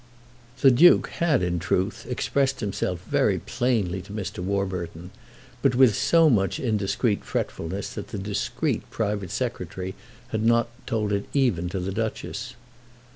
The Duke had in truth expressed himself very plainly to Mr. Warburton; but with so much indiscreet fretfulness that the discreet private secretary had not told it even to the Duchess.